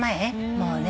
もうね。